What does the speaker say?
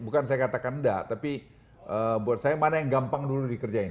bukan saya katakan enggak tapi buat saya mana yang gampang dulu dikerjain